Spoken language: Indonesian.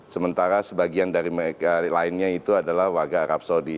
sementara sebagian dari mereka lainnya itu adalah warga arab saudi